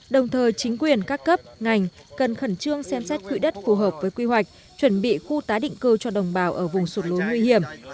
đồng thời chính quyền các cấp ngành cần khẩn trương xem xét quỹ đất phù hợp với quy hoạch chuẩn bị khu tái định cư cho đồng bào ở vùng sụt lún nguy hiểm